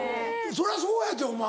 そりゃそうやてお前。